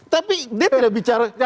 tapi dia tidak bicara